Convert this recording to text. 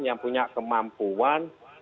yang punya kemampuan